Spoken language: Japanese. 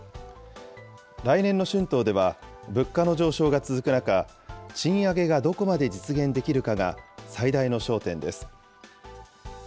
来年の春闘では、物価の上昇が続く中、賃上げがどこまで実現できるかが最大の焦点です。